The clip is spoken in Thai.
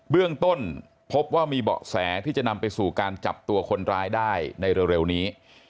เรื่องต้นพบว่ามีเบาะแสที่จะนำไปสู่การจับตัวคนร้ายได้ในเร็วนี้